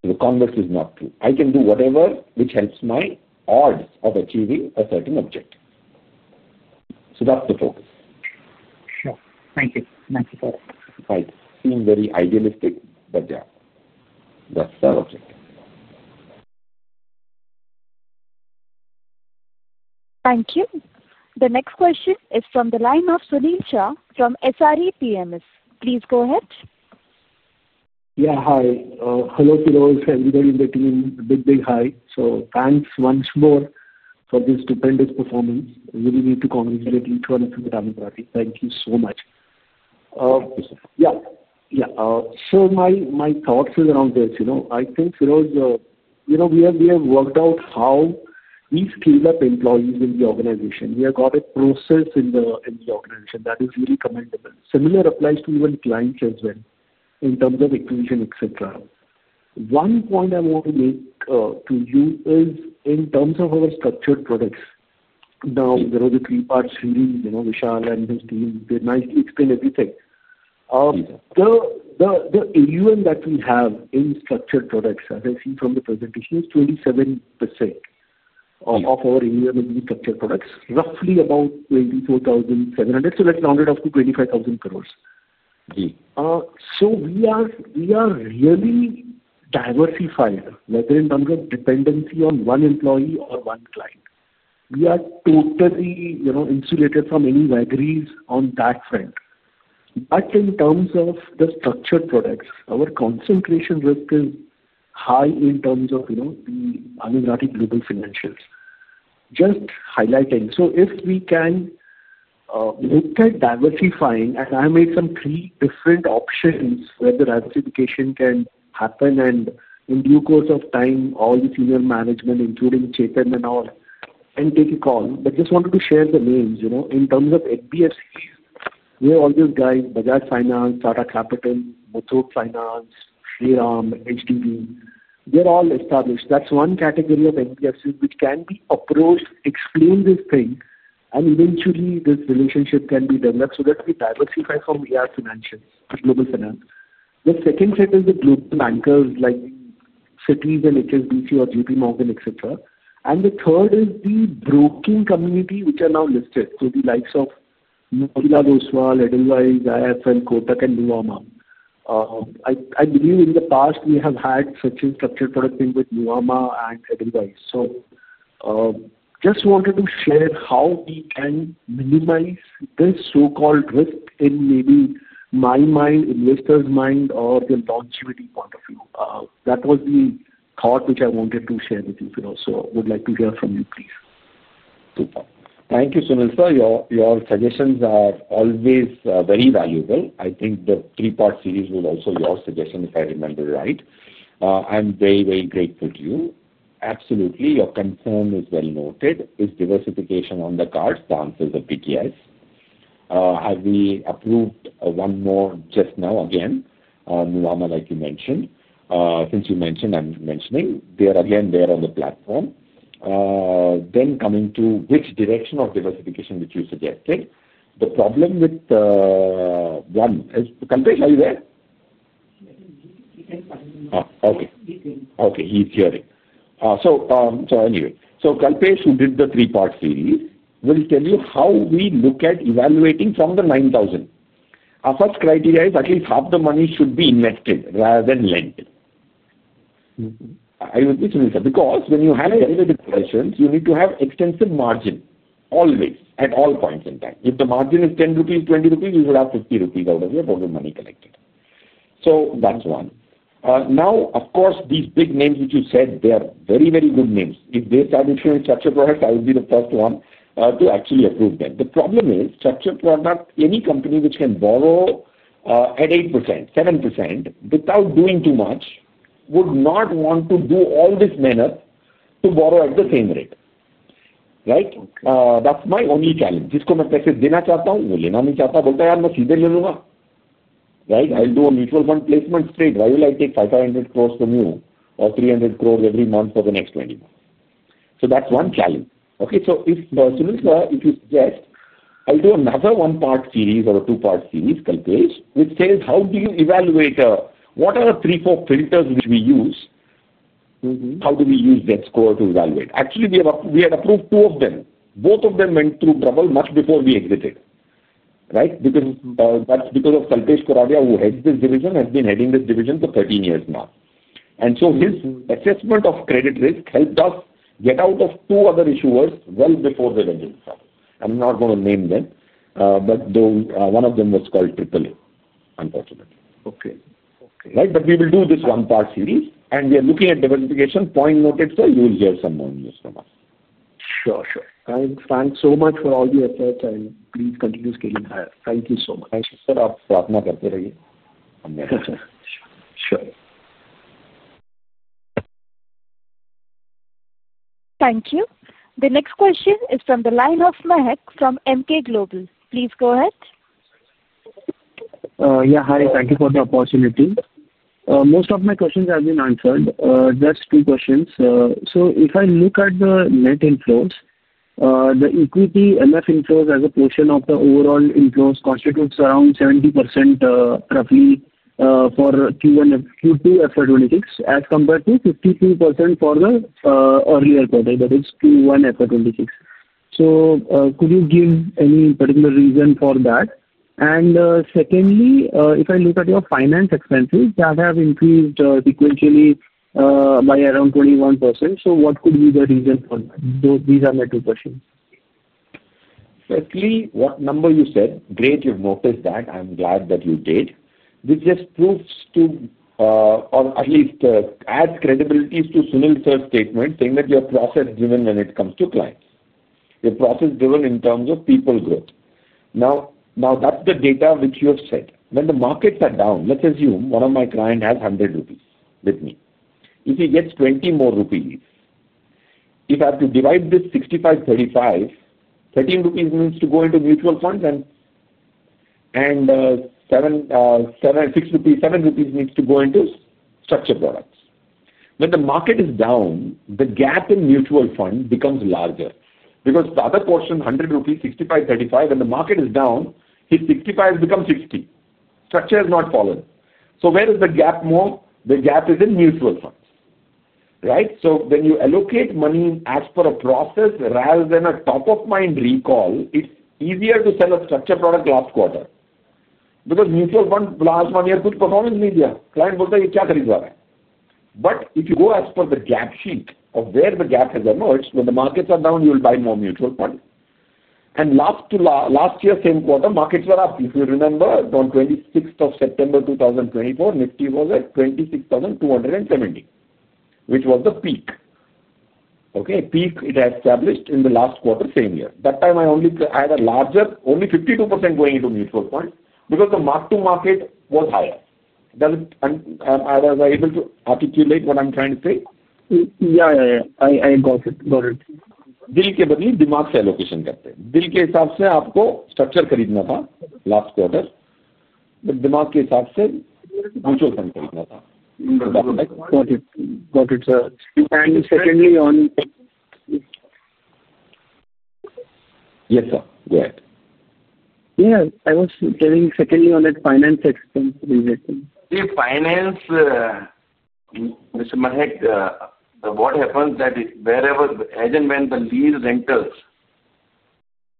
Speaker 2: the convex is not true. I can do whatever which helps my odds of achieving a certain objective. That's the focus. Sure. Thank you. Thank you. Might seem very idealistic, but yeah, that's the objective.
Speaker 1: Thank you. The next question is from the line of Sunil Shah from SRE PMS. Please go ahead.
Speaker 2: Yeah. Hi. Hello fellows. Everybody in the team. Big big hi. Thanks once more for this stupendous performance. Really need to congratulate each one. Thank you so much. My thoughts around this. I think we have worked out how we scale up employees in the organization. We have got a process in the organization that is really commendable. Similar applies to even clients as well in terms of equation etc. One point I want to make to you is in terms of our structured products. Now the three part series, Vishal and his team, they nicely explained everything. The AUM that we have in structured products, as I see from the presentation, is 27% of our area will be structured products, roughly about 24,700 crore. Let's round it up to 25,000 crore. We are really diversified, whether in terms of dependency on one employee or one client, we are totally insulated from any vagaries on that front. In terms of the structured products, our concentration risk is high in terms of Anand Rathi Global Financials, just highlighting, so if we can look at diversifying. I made some three different options where the diversification can happen, and in due course of time all the senior management, including Chethan and all, can take a call, but just wanted to share the names in terms of NBFCs where all these guys, Bajaj Finance, Tata Capital, Motor Finance, HDB, they're all established. That's one category of NBFCs which can be approached, explain this thing, and eventually this relationship can be developed so that we diversify from Anand Rathi Financials Global Finance. The second set is the global bankers like Citi and HSBC or JP Morgan etc. The third is the broking community which are now listed, so the likes of Edelweiss, IIFL, Kotak, and Nuvama. I believe in the past we have had such a structured product with Nuvama and Edelweiss. Just wanted to share how we can minimize this so-called risk in maybe my mind, investor's mind, or the longevity point of view. That was the thought which I wanted to share with you. Would like to hear from you please. Thank you. Sunil sir, your suggestions are always very valuable. I think the three part series was also your suggestion. If I remember right, I'm very very grateful to you. Absolutely. Your concern is well noted. Is diversification on the cards? The answer is a PTS as we approach approved. One more just now again, Nuvama, like you mentioned. Since you mentioned, I'm mentioning, they are again there on the platform. Coming to which direction of diversification which you suggested, the problem with one. Are you there? Okay, okay. He's hearing. Anyway, Kanpesh who did the three part series will tell you how we look at evaluating from the 9,000. Our first criteria is at least half the money should be invested rather than lent, because you need to have extensive margin always at all points in time. If the margin is 10 rupees, 20 rupees, you will have 50 rupees out of your total money collected. That's one. Now, of course, these big names which you said, they are very, very good names. If they start issuing structured products, I would be the first one to actually approve them. The problem is structured product. Any company which can borrow at 8%, 7% without doing too much would not want to do all this manner to borrow at the same rate, right? That's my only challenge, right. I'll do a mutual fund placement straight. Why will I take 5,500 crores per new or 300 crores every month for the next 20 months? That's one challenge. If you suggest I do another one part series or a two part series which says how do you evaluate, what are the 34 filters which we use, how do we use that score to evaluate? Actually, we had approved two of them. Both of them went through trouble much before we exited, right. That's because of Saltesh Khuradia who heads this division, has been heading division for 13 years, Mark. His assessment of credit risk helped us get out of two other issuers well before the revenue started. I'm not going to name them, but one of them was called AAA unfortunately. Okay, right. We will do this one part series and we are looking at diversification. Point noted. Sir, you will hear some more news from us. Sure, sure. Thanks so much for all the efforts and please continue scaling higher. Thank you so much.
Speaker 1: Thank you. The next question is from the line of Mahak from MK Global. Please go ahead.
Speaker 2: Yeah, hi. Thank you for the opportunity. Most of my questions have been answered. Just two questions. If I look at the net inflows, the equity mutual fund inflows as a portion of the overall inflows constitutes around 70% roughly for Q1 Q2 FY26 as compared to 53% for the earlier quarter, i.e., Q1 FY26. Could you give any particular reason for that? Secondly, if I look at your finance expenses that have increased sequentially by around 21%, what could be the reason for that? These are my two questions. Firstly, what number you said? Great, you've noticed that. I'm glad that you did. That just proves or at least adds credibility to Sunil Sir's statement saying that you're process driven when it comes to clients. You're process driven in terms of people growth. Now that's the data which you have said. When the markets are down, let's assume one of my clients has 100 rupees with me. If he gets 20 rupees more, if I have to divide this 65:35, 13 rupees needs to go into mutual funds and 7 rupees needs to go into structured products. When the market is down, the gap in mutual fund becomes larger because the other portion, 1,535, and the market is down, his 65 has become 60, structure has not fallen. Where does the gap move? The gap is in mutual funds. Right. When you allocate money as per a process rather than a top of mind recall, it's easier to sell a structured product last quarter because mutual fund large money has good performance media. If you go as per the gap sheet of where the gap has emerged when the markets are down, you will buy more mutual funds. Last year, same quarter, markets were up. If you remember, on 26th of September 2024, Nifty was at 26,270, which was the peak. Peak it established in the last quarter, same year. That time, I only had a larger, only 52% going into mutual fund because the mark to market was higher. Was I able to articulate what I'm trying to say? Yeah, I got it. Got it last quarter. Yes sir. Go ahead. I was telling, secondly, on that finance expense, rejecting the finance, Mr. Mahak, what happens is that as and when the lease rentals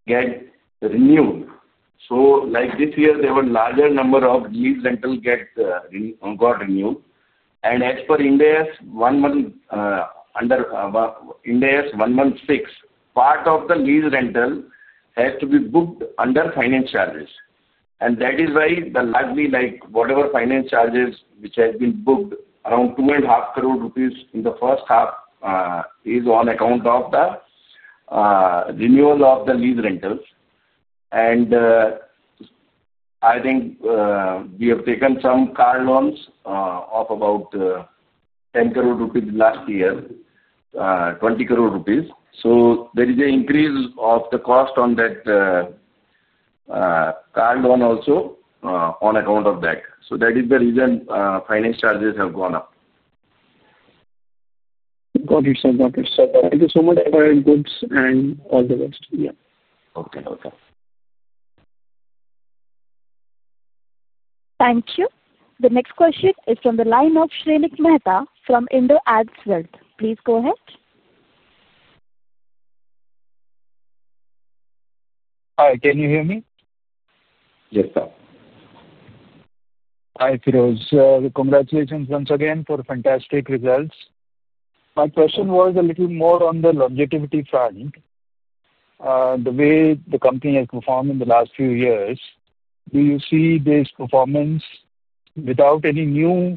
Speaker 2: get renewed, like this year, there were a larger number of lease rentals that got renewed. As per Ind AS 116, part of the lease rental has to be booked under finance charges. That is why whatever finance charges which have been booked, around 2.5 crore rupees in the first half, is on account of the renewal of the lease rentals. I think we have taken some car loans of about 10 crore rupees last year, 20 crore rupees. There is an increase of the cost on that car loan also on account of that. That is the reason finance charges have gone up.
Speaker 1: Thank you. The next question is from the line of Srilank Mehta from Indo Ad. Please go ahead.
Speaker 2: Hi, can you hear me? Yes sir. Hi Feroze. Congratulations once again for fantastic results. My question was a little more on the longevity front. The way the company has performed in the last few years. Do you see this performance without any new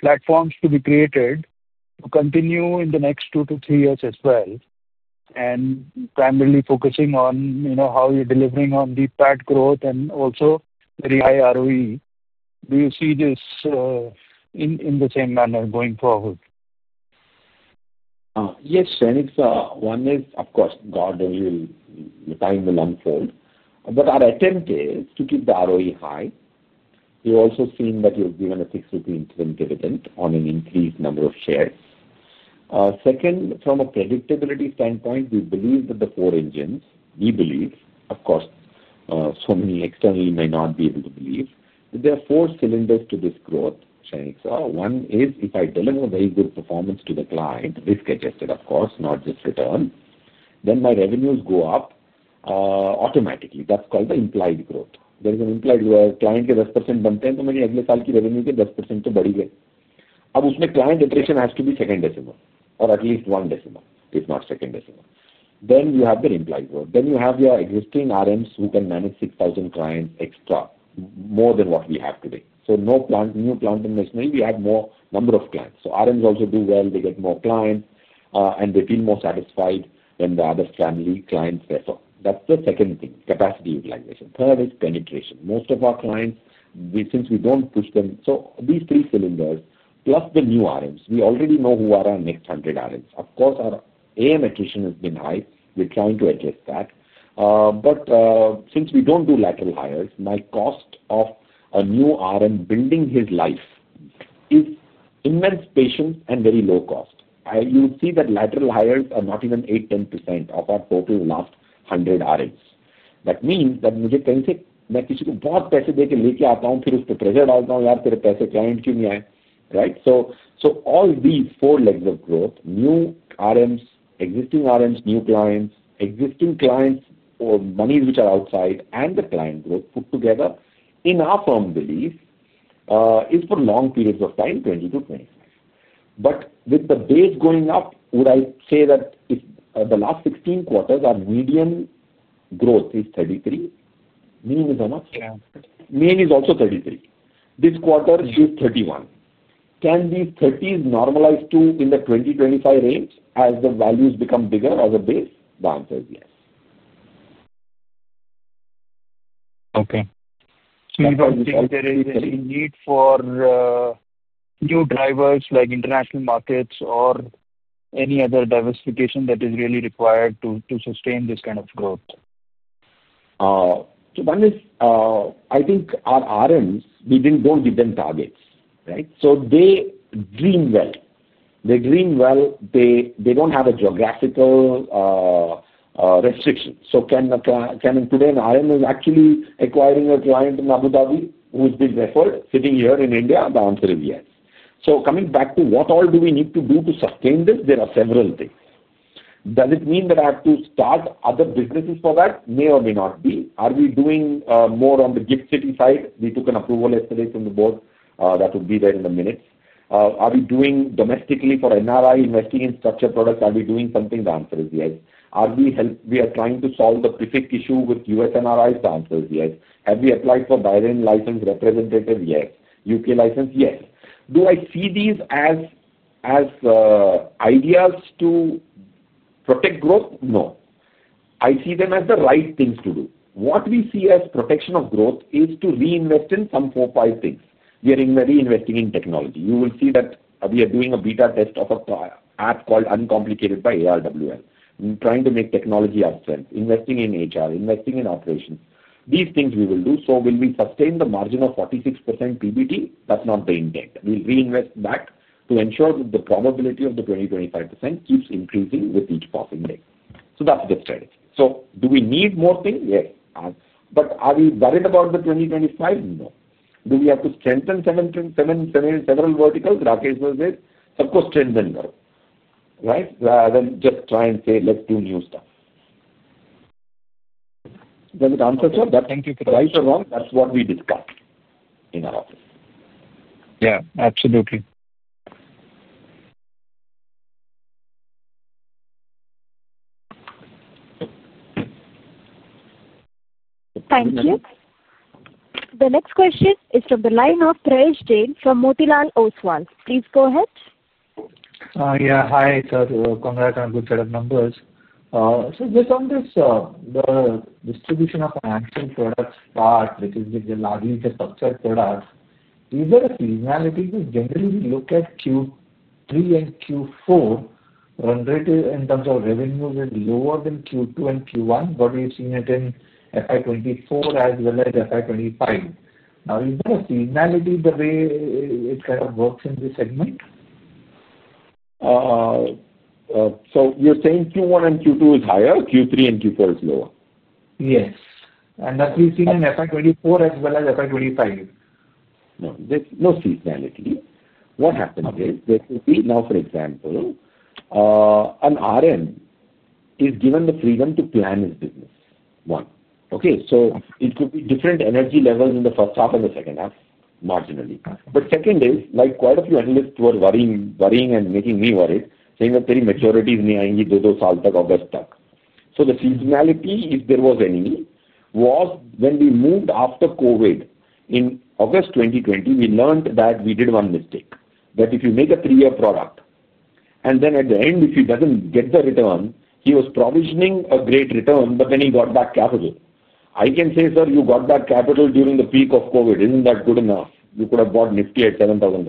Speaker 2: platforms to be created to continue in the next two to three years as well? Primarily focusing on, you know, how you're delivering on deep PAT growth and also very high ROE. Do you see this in the same manner going forward? Yes. One is of course God, only the time will unfold. Our attempt is to keep the ROE high. You also see that you have given a INR 6 dividend on an increased number of shares. Second, from a predictability standpoint, we believe that the four engines, we believe of course so many externally may not be able to believe there are four cylinders to this growth. One is if I deliver very good performance to the client, risk adjusted of course not just return, then my revenues go up automatically. That's called the implied growth. There is an implied client. Client attrition has to be second decimal or at least one decimal. If not second decimal, then you have the implied growth. You have your existing RMs who can manage 6,000 clients extra more than what we have today. No new plant investment, we have more number of clients. RMs also do well. They get more clients and they've been more satisfied than the other family clients there. That's the second thing. Capacity utilization. Third is penetration. Most of our clients since we don't push them. These three cylinders plus the new RMs we already know who are our next 100 RMs. Our RM attrition has been high. We're trying to address that. Since we don't do lateral hires, my cost of a new RM building his life is immense patience and very low cost. You see that lateral hires are not even 8-10% of our total last hundred RMs. That means all these four legs of growth, new RMs, existing RMs, new clients, existing clients or monies which are outside and the term line growth put together in our firm belief is for long periods of time, 20 to 25. With the base going up, would I say that the last 16 quarters our median growth is 33. Mean is also 33. This quarter is 31. Can these 30s normalize too in the 20-25 range as the values become bigger or this. The answer is yes. For new drivers like international markets or any other diversification that is really required to sustain this kind of growth. I think our RMs, we didn't go give them targets, right? They dream well, they green well. They don't have a geographical restriction. Today an RM is actually acquiring a client in Abu Dhabi who has been referred sitting here in India. The answer is yes. Coming back to what all do we need to do to sustain this, there are several things. Does it mean that I have to start other businesses for that? May or may not be. Are we doing more on the GIFT City side? We took an approach from the board that would be there in a minute. Are we doing domestically for NRI investing in structured products? Are we doing something? The answer is yes. We are trying to solve the issue with us NRIs. The answer is yes. Have we applied for Bahrain license, Representative? Yes. UK license? Yes. Do I see these as ideas to protect growth? No, I see them as the right things to do. What we see as protection of growth is to reinvest in some four, five things. We are reinvesting in technology. You will see that we are doing a beta test of an app called Uncomplicated by ARWL, trying to make technology our strength. Investing in HR, investing in operations, these things we will do. Will we sustain the margin of 46% PBT? That's not the intent. We reinvest back to ensure that the probability of the 20-25% keeps increasing with each passing day. That's the strategy. Do we need more things? Yes. Are we worried about the 20-25%? No. Do we have to strengthen seven, seven verticals? Rakesh, was it of course trend then? Right. Rather than just try and say let's do new stuff, does it answer, sir, that thank you for right or wrong. That's what we discussed in our office. Yeah, absolutely. Thank you.
Speaker 1: The next question is from the line of Thresh Jain from Motilal Oswal. Please go ahead.
Speaker 2: Yeah. Hi sir, congrats on a good set of numbers. Based on this, the distribution of financial products part, which is largely structured products, is there a seasonality? Generally, we look at Q3 and Q4. Run rate in terms of revenues is lower than Q2 and Q1, but we've seen it in FY2024 as well as FY2025. Now, is there a seasonality the way it kind of works in this segment? You're saying Q1 and Q2 is higher, Q3 and Q4 is lower? Yes, and that we've seen in FY2024 as well as FY2025. There's no seasonality. What happens is there could be. For example, an RN is given the freedom to plan his business. Okay, so it could be different energy levels in the first half and the second half marginally. Second is quite a few analysts who are worrying and making me worried, saying the seasonality, if there was any, was when we moved after Covid in August 2020. We learned that we did one mistake, that if you make a three-year product and then at the end if he doesn't get the return, he was provisioning a great return. Then he got back capital. I can say, sir, you got that capital during the peak of Covid. Isn't that good enough? You could have bought Nifty at 7%,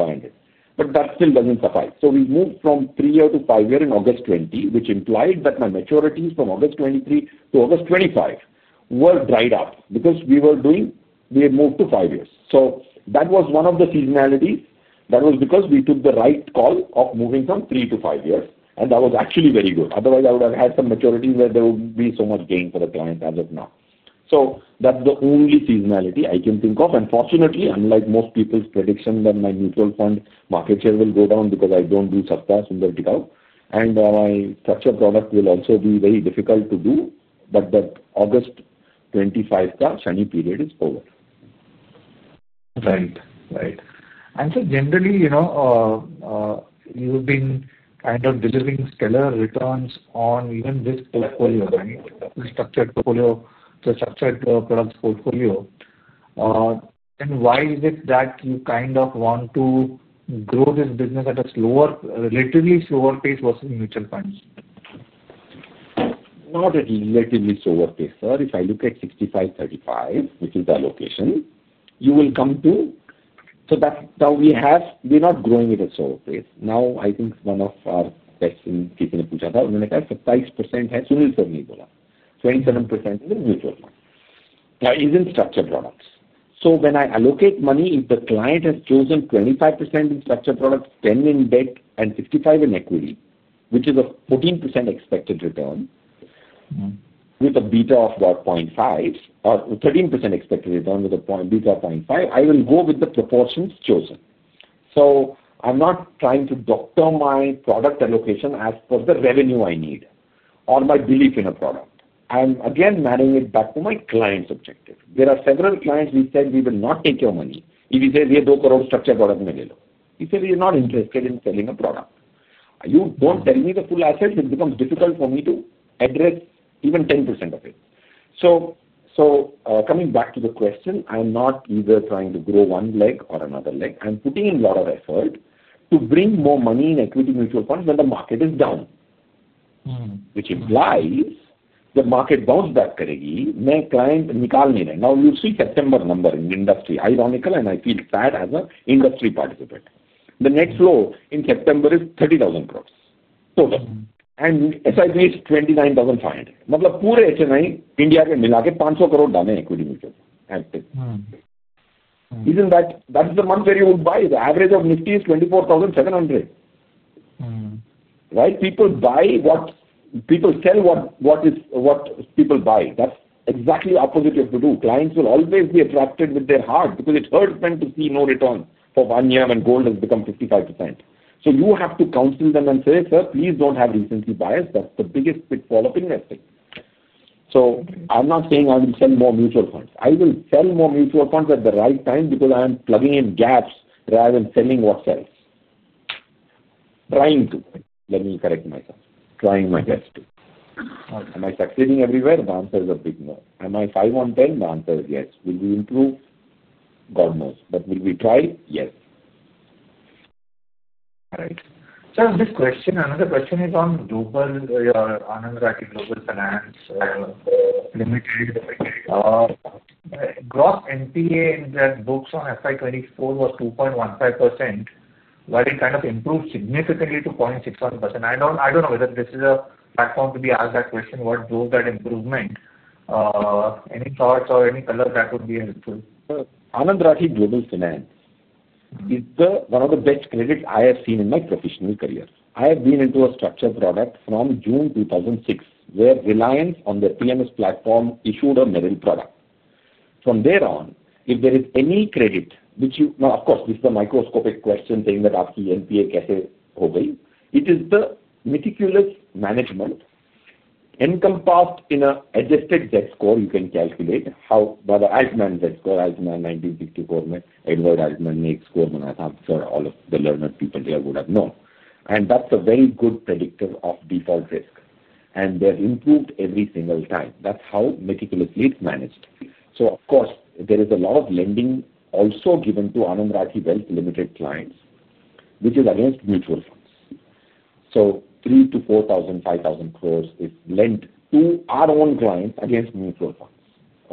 Speaker 2: but that still doesn't suffice. We moved from three-year to five-year in August 2020, which implied that my maturities from August 2023 to August 2025 were dried up because we had moved to five years. That was one of the seasonalities. That was because we took the right call of moving from three to five years and that was actually very good. Otherwise, I would have had some maturity where there wouldn't be so much gain for the client as of now. That's the only seasonality I can think of. Unfortunately, unlike most people's prediction that my mutual fund market share will go down because I don't do satkas in the Tao and my such a product will also be very difficult to do. That August 2025 shiny period is over. Right? Right. Generally, you've been kind of delivering stellar returns on even this portfolio, structured portfolio, the structured products portfolio. Why is it that you kind of want to grow this business at a slower, relatively slower pace versus mutual funds? Not a relatively slower pace, sir. If I look at 65:35, which is the allocation you will come to, so that we have, we're not growing it as now. I think one of the 27% now is in structured products. When I allocate money, if the client has chosen 25% in structured products, 10% in debt, and 55% in equity, which is a 14% expected return with a beta of about 0.5 or 13% expected return with a beta of 0.5, I will go with the profit proportions chosen. I'm not trying to doctor my product allocation as per the revenue I need or my belief in a product. I am again marrying it back to my client's objective. There are several clients. We said we will not take your money. If he says, we are not interested in selling a product, you don't tell me the full assets. It becomes difficult for me to address even 10% of it. Coming back to the question, I'm not either trying to grow one leg or another leg. I'm putting in a lot of effort to bring more money in equity mutual funds when the market is down, which implies the market bounce back. Now you see September number in industry, ironical and I feel bad as an industry participant. The net flow in September is 30,000 crore total and SIP is 29,500 crore. Isn't that the month where you would buy? The average of Nifty is 24,700. People buy what people sell. What is what people buy? That's exactly opposite you have to do. Clients will always be attracted with their heart because it hurts them to see no return for Vanyam and gold is going to become 55%. You have to counsel them and say sir, please don't have recency bias. That's the biggest pitfall of investing. I'm not saying I will sell more mutual funds. I will sell more mutual funds at the right time because I am plugging in gaps rather than selling what sells. Trying to let me correct myself. Trying my best. Am I succeeding everywhere? The answer is a big no. Am I 5 on 10? The answer is yes. Will we improve? God knows. Will we try? Yes. All right. This question, another question is on Global Finance Ltd. Gross NPA in that books on FY2024 was 2.15% while it kind of improved significantly to 0.61%. I don't know whether this is a platform to be asked that question. Why? What drove that improvement? Any thoughts or any colors that would be helpful? Anand Rathi Global Finance is one of the best credit I have seen in my professional career. I have been into a structured product from June 2006 where reliance on the PMS platform issued a medal product. From there on, if there is any credit which you now, of course, this is a microscopic question saying that it is the meticulous management encompassed in an adjusted Z score you can calculate 1964. I'm sure all of the learned people here would have known and that's a very good predictor of default risk. They've improved every single time. That's how meticulously it's managed. Of course, there is a lot of lending also given to Anand Rathi Wealth Ltd. clients which is against mutual funds. 3,000 to 4,000, 5,000 crores is lent to our own clients against mutual funds,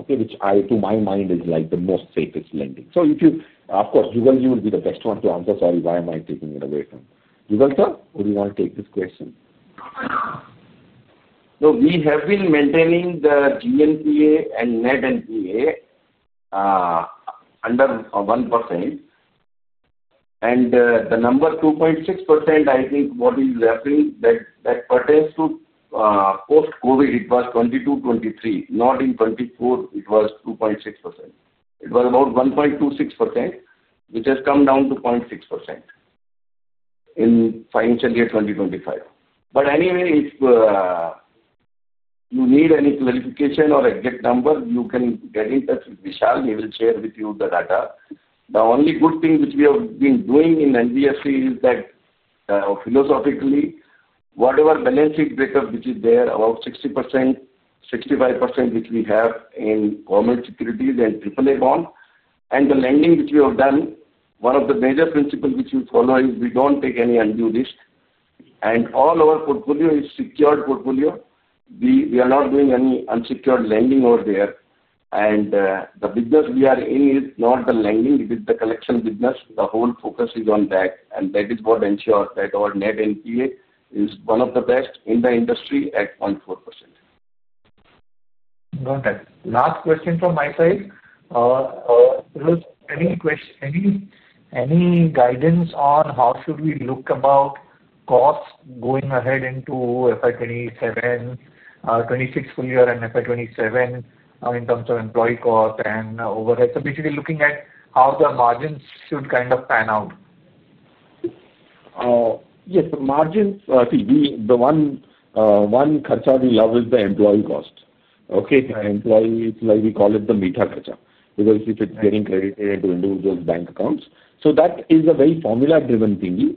Speaker 2: which to my mind is like the most safest lending. Jugalji would be the best one to answer. Sorry, why am I taking it away from Jugal sir, who do you want to take this question? We have been maintaining the GNPA and net NPA under 1%. The number 2.6%. I think what is happening that pertains to post-Covid, it was 2022-2023, not in 2024, it was 2.6%. It was about 1.26% which has come down to 0.6% in financial year 2025. Anyway, you need any clarification or exit number, you can get in touch with Vishal. He will share with you the data. The only good thing which we have been doing in NBFC is that philosophically, whatever balance sheet breaker which is there, about 60%, 65% which we have in government securities and AAA bond, and the lending which we have done, one of the major principles which you follow is we don't take any undue risk and all our portfolio is secured portfolio. We are not doing any unsecured lending over there. The business we are in is not the lending, it is the collection business. The whole focus is on that. That is what ensures that our net NPA is one of the best in the industry at 0.4%. Got it. Last question from my side. Any guidance on how should we look about cost going ahead into FY 2026 full year and FY 2027 in terms of employee cost and overhead? Basically looking at how the margins should kind of pan out. Yes, margins. The one concern we love is the employee cost. Okay, call it the Mitha Kacha because if it's getting credited into individuals' bank accounts. That is a very formula-driven thing.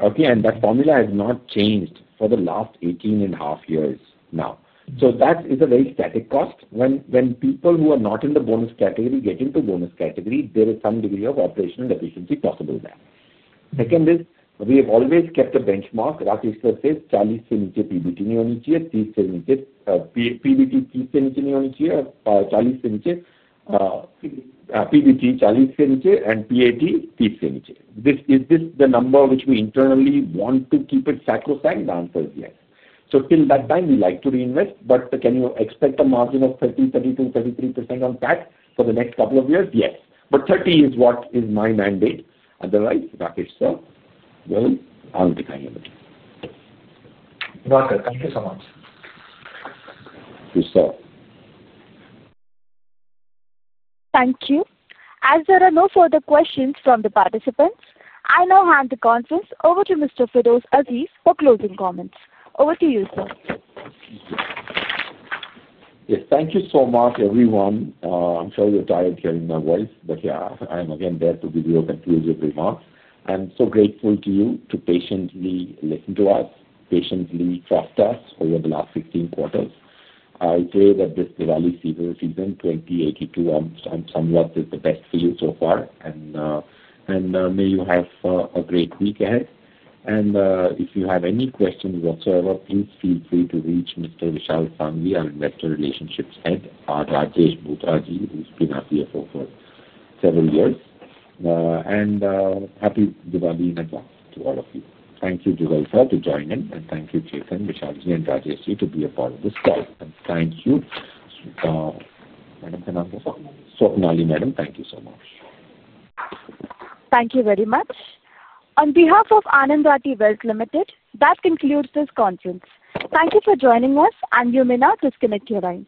Speaker 2: That formula has not changed for the last 18 and a half years now. That is a very static cost. When people who are not in the bonus category get into bonus category, there is some degree of operational efficiency possible there. Second is we have always kept a benchmark. Rakesh Rawal says Charlie and Pat, this is the number which we internally want to keep it sacrosanct. The answer is yes. Till that time we like to reinvest. Can you expect a margin of 30%, 32%, 33% on CAT for the next couple of years? Yes, but 30% is what is my mandate otherwise. Rakesh sir, thank you so much.
Speaker 1: Thank you. As there are no further questions from the participants, I now hand the conference over to Mr. Feroze Azeez for closing comments. Over to you sir.
Speaker 2: Thank you so much everyone. I'm sure you're tired of my voice but yeah, I'm again there to give you a conclusive remark. I'm so grateful to you to patiently listen to us, patiently trust us over the last 16 quarters. I say that this Diwali Samvat 2082 is the best for you so far. May you have a great week ahead. If you have any questions whatsoever, please feel free to reach Mr. Vishal Sanghavi, our Head of Investor Relations, Rajesh Bhutara who's been our CFO for several years. Happy Diwali to all of you. Thank you for joining in and thank you Chethan, Vishalji, and Rajeshji to be a part of this call. Thank you madam. Thank you so much.
Speaker 1: Thank you very much on behalf of Anand Rathi Wealth Ltd. That concludes this conference. Thank you for joining us. You may now disconnect your lines.